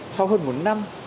sau hơn một năm